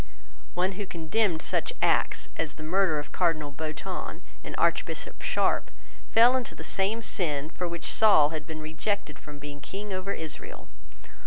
One who condemned such acts as the murder of Cardinal Beatoun and Archbishop Sharpe fell into the same sin for which Saul had been rejected from being King over Israel.